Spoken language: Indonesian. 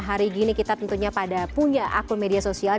hari gini kita tentunya pada punya akun media sosial